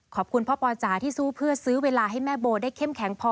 ขอบคุณพ่อปอจ๋าที่สู้เพื่อซื้อเวลาให้แม่โบได้เข้มแข็งพอ